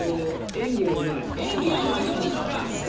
演技がうまいどうでしょうか？